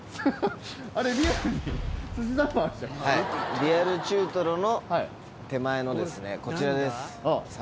はいリアル中トロの手前のですねこちらです。